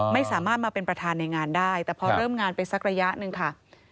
ไม่สามารถมาเป็นประธานในงานได้แต่พอเริ่มงานไปสักระยะหนึ่งค่ะ